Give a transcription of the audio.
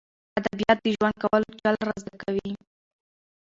ادبیات د ژوند کولو چل را زده کوي.